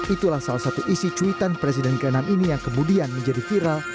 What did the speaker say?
itulah salah satu isi cuitan presiden ke enam ini yang kemudian menjadi viral